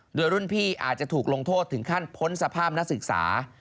โดยรุ่นพี่อาจจะถูกลงโทษถึงขั้นพ้นสภาพนักศึกษา